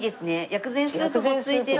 薬膳スープも付いてる。